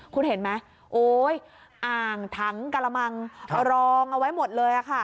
คุณเห็นไหมอ่างถังกะละมังรองเอาไว้หมดเลย